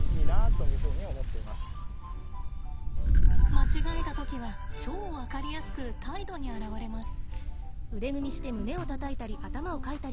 間違えた時は超分かりやすく態度に表れます。